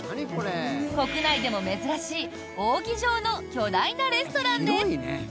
国内でも珍しい扇状の巨大なレストランです。